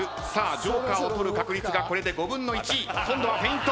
ＪＯＫＥＲを取る確率がこれで５分の１。今度はフェイント。